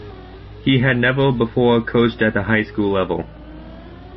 He had never before coached at the high school level.